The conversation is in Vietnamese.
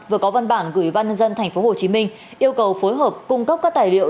vừa có văn bản gửi ban nhân dân tp hcm yêu cầu phối hợp cung cấp các tài liệu